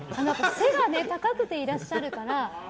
背が高くていらっしゃるから。